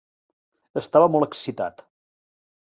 Estava molt excitat.